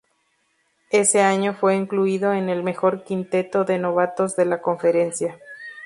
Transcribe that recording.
Ese año fue incluido en el mejor quinteto de novatos de la conferencia.